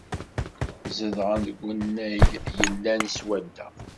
Zedɣen deg wannag yellan swadda.